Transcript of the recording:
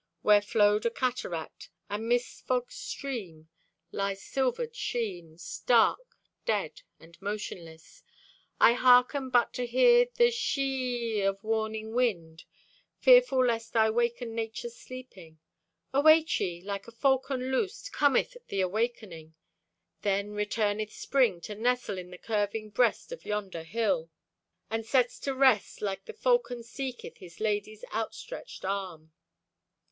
Where flowed a cataract And mist fogged stream, lies silvered sheen, Stark, dead and motionless. I hearken But to hear the she e e e of warning wind, Fearful lest I waken Nature's sleeping. Await ye! Like a falcon loosed Cometh the awakening. Then returneth Spring To nestle in the curving breast of yonder hill, And sets to rest like the falcon seeketh His lady's outstretched arm.